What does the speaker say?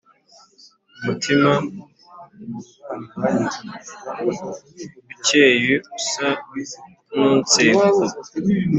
Umutim'ukey'usan'inseko